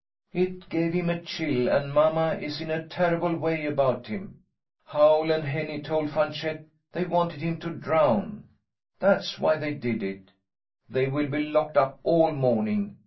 It gave him a chill, and mamma is in a terrible way about him. Howl and Henny told Fanchette they wanted him to drown. That's why they did it. They will be locked up all morning.